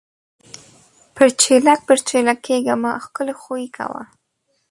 پَرچېلک پَرچېلک کېږه مه! ښکلے خوئې کوه۔